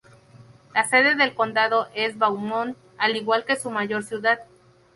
La sede del condado es Beaumont, al igual que su mayor ciudad.